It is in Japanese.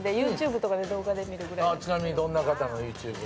ちなみにどんな方のＹｏｕＴｕｂｅ？